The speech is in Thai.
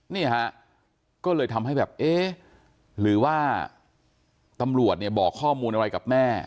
นี่ฮะก็เลยทำให้แบบเอ๊ะหรือว่าตำรวจเนี่ยบอกข้อมูลอะไรกับแม่